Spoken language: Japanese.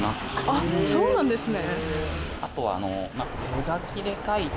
あとそうなんですね